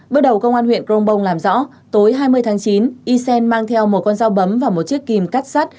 bước đầu công an huyện grongbong làm rõ tối hai mươi tháng chín ysen mang theo một con dao bấm và một chiếc kìm cắt sắt